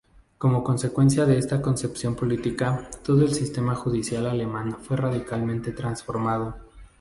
Como consecuencia de esta concepción política todo el sistema judicial alemán fue radicalmente transformado.